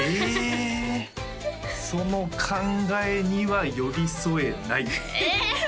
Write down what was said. えその考えには寄り添えないええ